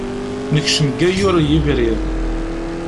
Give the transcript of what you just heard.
Nekcem deg waggur n yebrir.